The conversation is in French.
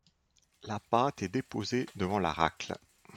La pâte est déposée devant la racle.